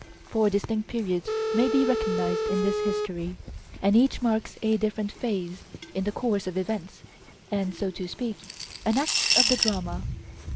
Four distinct periods may be recognized in this history; and each marks a different phase in the course of events, and, so to speak, an act of the drama.